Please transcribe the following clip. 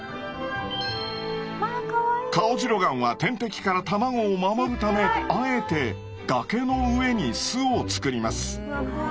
カオジロガンは天敵から卵を守るためあえて崖の上に巣を作ります。